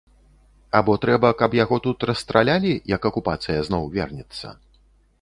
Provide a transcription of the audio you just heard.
Або трэба, каб яго тут расстралялі, як акупацыя зноў вернецца?